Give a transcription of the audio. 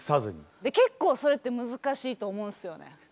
結構それって難しいと思うんすよね。